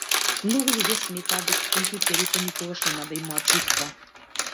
Многу луѓе сметаат дека компјутерите никогаш нема да имаат чувства.